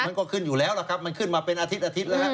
มันก็ขึ้นอยู่แล้วล่ะครับมันขึ้นมาเป็นอาทิตยอาทิตย์แล้วฮะ